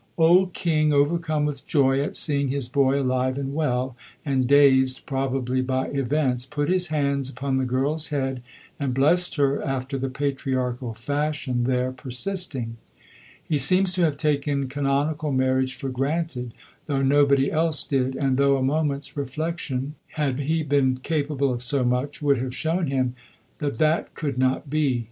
Old King, overcome with joy at seeing his boy alive and well, and dazed, probably, by events, put his hands upon the girl's head and blessed her after the patriarchal fashion there persisting. He seems to have taken canonical marriage for granted, though nobody else did, and though a moment's reflection, had he been capable of so much, would have shown him that that could not be.